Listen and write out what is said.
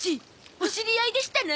「おしり合い」でしたな？